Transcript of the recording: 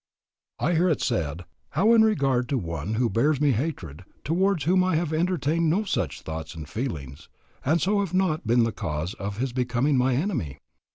I hear it said, How in regard to one who bears me hatred, towards whom I have entertained no such thoughts and feelings, and so have not been the cause of his becoming my enemy?